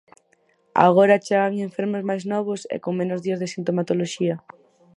Agora chegan enfermos máis novos e con menos días de sintomatoloxía.